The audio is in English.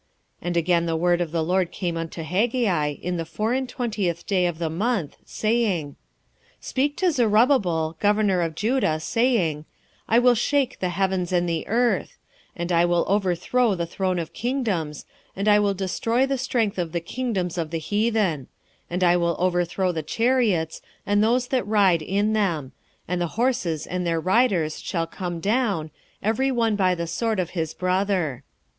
2:20 And again the word of the LORD came unto Haggai in the four and twentieth day of the month, saying, 2:21 Speak to Zerubbabel, governor of Judah, saying, I will shake the heavens and the earth; 2:22 And I will overthrow the throne of kingdoms, and I will destroy the strength of the kingdoms of the heathen; and I will overthrow the chariots, and those that ride in them; and the horses and their riders shall come down, every one by the sword of his brother.